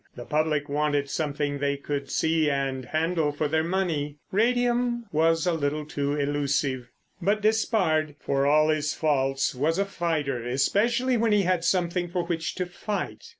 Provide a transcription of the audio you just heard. The public wanted something they could see and handle for their money. Radium was a little too elusive. But Despard, for all his faults, was a fighter, especially when he had something for which to fight.